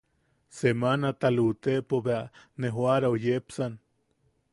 Semanata luʼutepo bea ne joʼarau yepsan.